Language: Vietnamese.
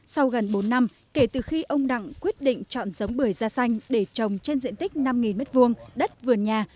sau gần bốn năm kể từ khi ông đặng quyết định chọn giống bưởi da xanh để trồng trên diện tích năm m hai đất vườn nhà